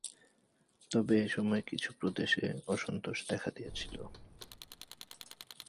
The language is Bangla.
তবে এসময় কিছু প্রদেশে অসন্তোষ দেখা দিয়েছিল।